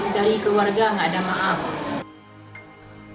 tidak ada keluarga tidak ada maaf